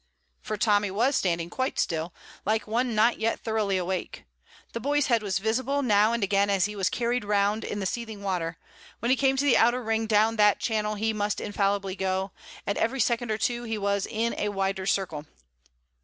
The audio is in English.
For Tommy was standing quite still, like one not yet thoroughly awake. The boy's head was visible now and again as he was carried round in the seething water; when he came to the outer ring down that channel he must infallibly go, and every second or two he was in a wider circle.